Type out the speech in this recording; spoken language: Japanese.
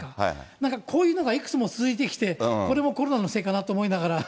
なんかこういうのがいくつも続いてきて、これもコロナのせいかなと思いながら。